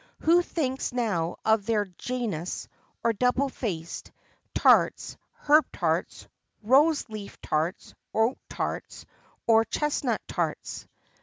Who thinks now of their Janus, or double faced, tarts, herb tarts, rose leaf tarts, oat tarts, or chesnut tarts?